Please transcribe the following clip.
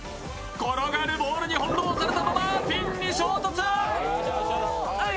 転がるボールに翻弄されたままピンに衝突！